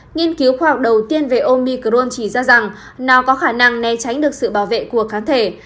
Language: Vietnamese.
nghiên cứu khoa học đầu tiên về omicrone chỉ ra rằng nó có khả năng né tránh được sự bảo vệ của kháng thể